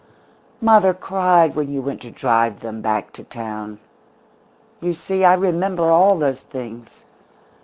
"Mother cried when you went to drive them back to town. You see, I remember all those things.